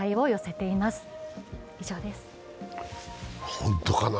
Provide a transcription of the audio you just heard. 本当かな？